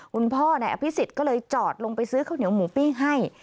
คุณพ่อนายอภิษฎก็เลยจอดลงไปซื้อข้าวเหนียวหมูปิ้งให้